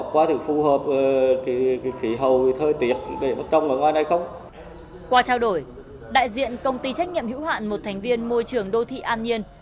qua trao đổi đại diện công ty trách nhiệm hữu hạn một thành viên môi trường đô thị an nhiên